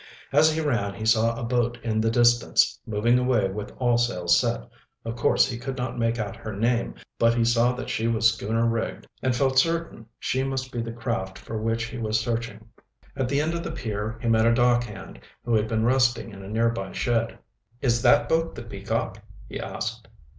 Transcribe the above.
As he ran he saw a boat in the distance, moving away with all sails set. Of course he could not make out her name, but he saw that she was schooner rigged, and felt certain she must be the craft for which he was searching. At the end of the pier he met a dock hand, who had been resting in a nearby shed. "Is that boat the Peacock?" he asked.